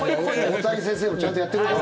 大谷先生もちゃんとやってるぞ。